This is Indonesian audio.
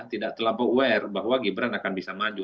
tidak terlampau aware bahwa gibran akan bisa maju